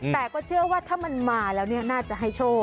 แต่ก็เชื่อว่าถ้ามันมาแล้วเนี่ยน่าจะให้โชค